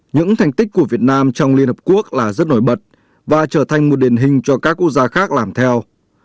những thành tích của việt nam trong liên hợp quốc là rất nổi bật và trở thành một điển hình cho các quốc gia khác làm theo